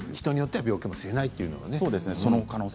人によっては病気かもしれないということですね。